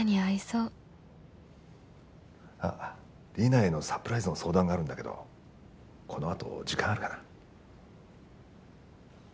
あっリナへのサプライズの相談があるんだけどこのあと時間あるかな？